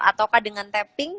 atau dengan tapping